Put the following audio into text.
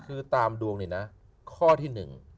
คือตามดวงนี้นะข้อที่๑